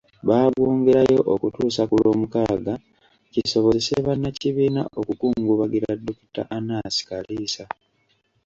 Baagwongerayo okutuusa ku Lwomukaaga, kisobozese bannakibiina okukungubagira Dokita Anaas Kaliisa.